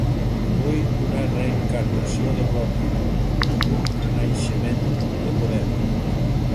Vull una reencarnació de glòria, un renaixement de poder.